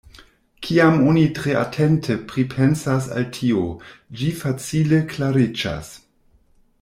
Kiam oni tre atente pripensas al tio, ĝi facile klariĝas.